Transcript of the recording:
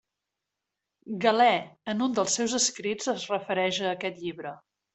Galè en un dels seus escrits es refereix a aquest llibre.